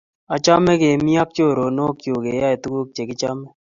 Achame kemi ak choronok chuk keyoe tuk che kichome